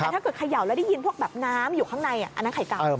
แต่ถ้าเกิดเขย่าแล้วได้ยินพวกแบบน้ำอยู่ข้างในอันนั้นไข่เก่า